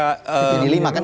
jadi lima kan